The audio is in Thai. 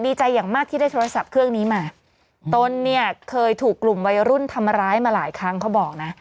ใจอย่างมากที่ได้โทรศัพท์เครื่องนี้มาตนเนี่ยเคยถูกกลุ่มวัยรุ่นทำร้ายมาหลายครั้งเขาบอกนะ